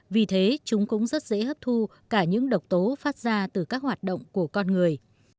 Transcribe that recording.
vì thế chúng cũng rất dễ hấp thu cả những độc tố phát ra từ các hoạt động của con người